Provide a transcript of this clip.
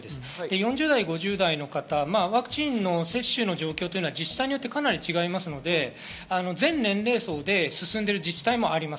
４０代、５０代の方、ワクチンの接種の状況は自治体によってかなり違いますので、全年齢層で進んでいる自治体もあります。